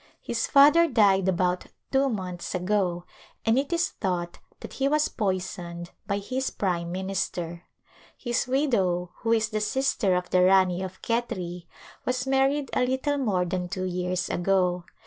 His father died about two months ago, and it is thought that he was poisoned by his prime minister. His widow, who is the sister of the Rani of Khetri, was married a little more than two years ago.